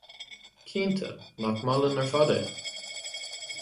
Cinnte, nach maith linn ar fad é?